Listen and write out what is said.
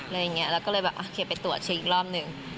แล้วก็เลยแบบโอเคไปตรวจเช็คอีกรอบหนึ่ง